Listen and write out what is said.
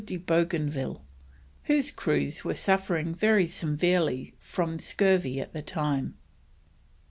de Bougainville, whose crews were suffering very severely from scurvy at the time.